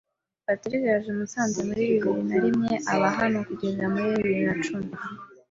Patrick yaje i Musanze muri bibiri narimwe, aba hano kugeza muri bibiri nacumi.